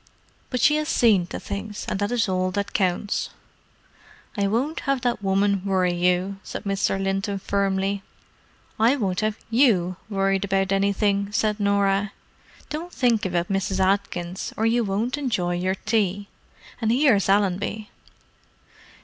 But she has seen to things, so that is all that counts." "I won't have that woman worry you," said Mr. Linton firmly. "I won't have you worried about anything," said Norah. "Don't think about Mrs. Atkins, or you won't enjoy your tea. And here's Allenby."